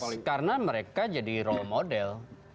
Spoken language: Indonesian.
betul karena mereka jadi role model